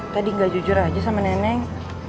tadi gak jujur aja sama neneng